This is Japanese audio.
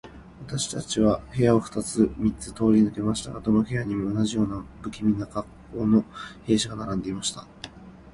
私たちは部屋を二つ三つ通り抜けましたが、どの部屋にも、同じような無気味な恰好の兵士が並んでいました。